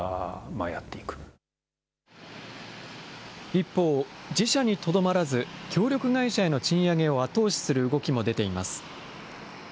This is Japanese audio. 一方、自社にとどまらず、協力会社への賃上げを後押しする動きも出ています。